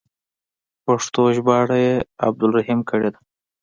پښتو ژباړه یې عبدالرحیم کړې ده.